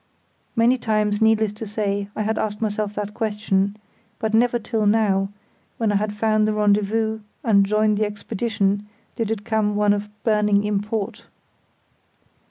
Many times, needless to say, I had asked myself that question, but never till now, when I had found the rendezvous and joined the expedition, did it become one of burning import.